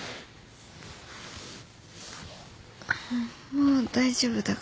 もう大丈夫だから。